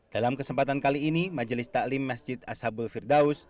dalam kesempatan kali ini majelis taklim masjid ashabul firdaus